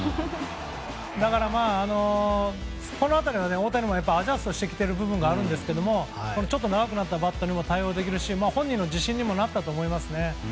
だから、この辺りは大谷もアジャストしてきている部分があるんですけどちょっと長くなったバットにも対応できるようになって本人も自信になったと思いますね。